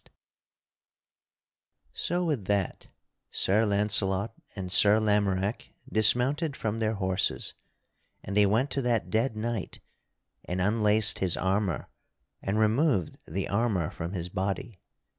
[Sidenote: The two knights arm Percival] So with that Sir Launcelot and Sir Lamorack dismounted from their horses, and they went to that dead knight and unlaced his armor and removed the armor from his body.